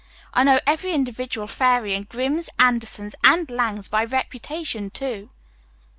I know every individual fairy in Grimms', Andersen's and Lang's by reputation, too."